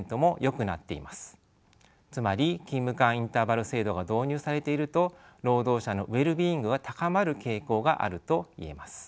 つまり勤務間インターバル制度が導入されていると労働者のウェルビーイングが高まる傾向があると言えます。